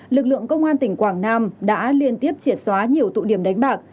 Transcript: lực lượng công an tỉnh quảng nam đã liên tiếp triệt xóa nhiều tụ điểm đánh bạc